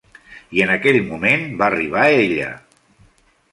I en aquell moment va arribar ella.